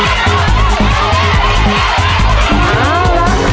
ออกแล้วคุณดอก